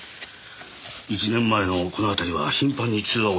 １年前のこのあたりは頻繁に通話をしてますね。